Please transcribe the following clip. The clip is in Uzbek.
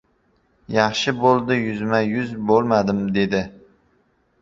"Yaxshi bo‘ldi, yuzma-yuz bo‘lmadim, — dedi.